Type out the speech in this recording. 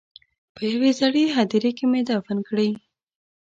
په یوې زړې هدیرې کې مې دفن کړې.